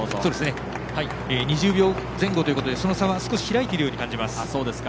２０秒前後ということでその差は少し開いているように感じます。